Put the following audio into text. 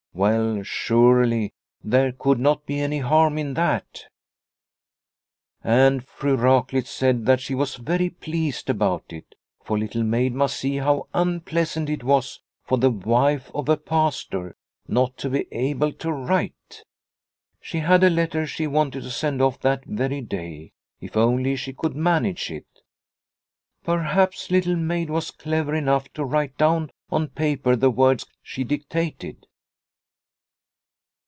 Well, surely there could not be any harm in that. And Fru Raklitz said that she was very pleased about it, for Little Maid must see how unpleasant it was for the wife of a Pastor not to be able to write. She had a letter she wanted to send off that very day if only she could manage it. Perhaps Little Maid was clever enough to write down on paper the words she dictated.